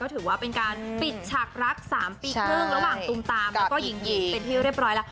ถือว่าเป็นการปิดฉากรัก๓ปีครึ่งระหว่างตุมตามแล้วก็หญิงเป็นที่เรียบร้อยแล้ว